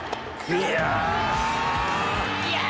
「いや！」